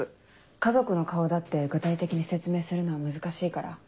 家族の顔だって具体的に説明するのは難しいから。